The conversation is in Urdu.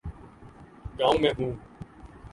گاؤں میں ہوں۔